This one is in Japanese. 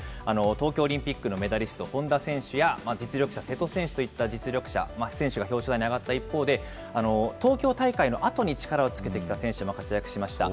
東京オリンピックのメダリスト、本多選手や実力者、瀬戸選手といった実力者、選手が表彰台に上がった一方で、東京大会のあとに力をつけてきた選手も活躍しました。